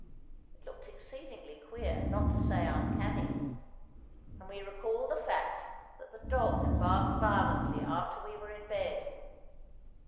It looked exceedingly queer, not to say uncanny, and we recalled the fact that the dog had barked violently after we were in bed.